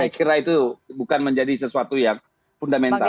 saya kira itu bukan menjadi sesuatu yang fundamental